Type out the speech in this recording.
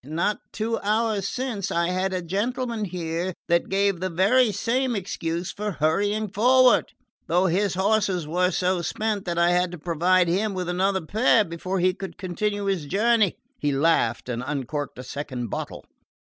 Not two hours since I had a gentleman here that gave the very same excuse for hurrying forward; though his horses were so spent that I had to provide him with another pair before he could continue his journey." He laughed and uncorked a second bottle.